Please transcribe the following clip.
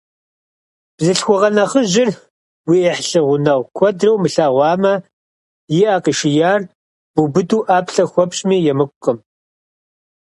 Бзылъхугъэ нэхъыжьыр уи ӏыхьлы гъунэгъу куэдрэ умылъэгъуамэ, и ӏэ къишияр бубыду ӏэплӏэ хуэпщӏми емыкӏукъым.